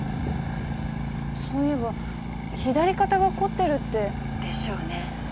そういえば左肩が凝ってるって。でしょうね。